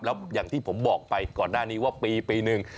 แล้วอย่างที่ผมบอกไปก่อนหน้านี้ว่าปีหนึ่ง